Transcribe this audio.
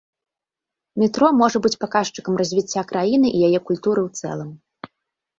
Метро можа быць паказчыкам развіцця краіны і яе культуры ў цэлым.